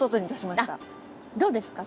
どうですか？